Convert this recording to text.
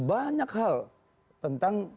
banyak hal tentang